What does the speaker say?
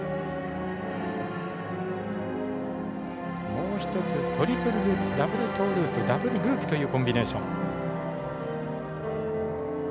もう一つトリプルルッツダブルトウループダブルループというコンビネーション。